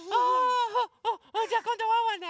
あじゃあこんどワンワンね。